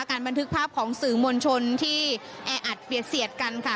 บันทึกภาพของสื่อมวลชนที่แออัดเบียดเสียดกันค่ะ